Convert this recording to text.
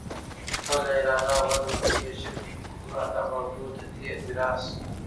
خپله اراده اوعزم د خپلې ژبې د فلکلور، ادب اودود د تیر میراث